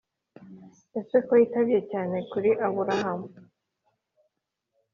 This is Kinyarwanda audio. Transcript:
Ese ko yitaye cyane kuri Aburahamu.